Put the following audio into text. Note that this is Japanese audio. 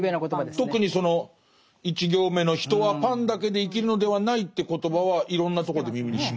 特にその１行目の「人はパンだけで生きるのではない」って言葉はいろんなとこで耳にします。